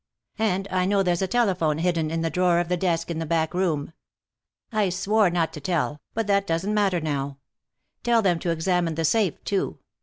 And I know there's a telephone hidden in the drawer of the desk in the back room. I swore not to tell, but that doesn't matter now. Tell them to examine the safe, too.